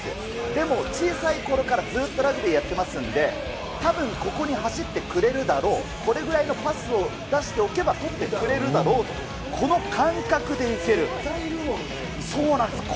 でも、小さいころからずっとラグビーやってますんで、たぶんここに走ってくれるだろう、これぐらいのパスを出しておけば捕ってくれるだろうと、この感覚絶対いるもんね。